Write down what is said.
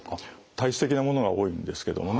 体質的なものが多いんですけどもね